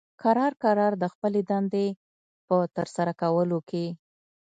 کرار کرار د خپلې دندې په ترسره کولو کې